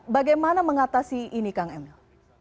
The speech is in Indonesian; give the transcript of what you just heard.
bagaimana mengatasi ini kang emil